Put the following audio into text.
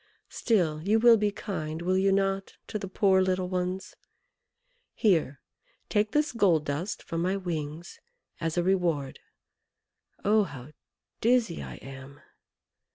Still you will be kind, will you not, to the poor little ones? Here, take this gold dust from my wings as a reward. Oh, how dizzy I am!